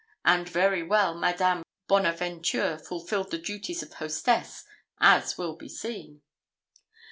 And very well Madame Bonaventure fulfilled the duties of hostess, as will be seen.